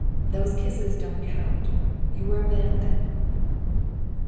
"Those kisses don't count; you were a man then."